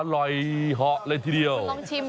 อร่อยเหาะเลยทีเดียว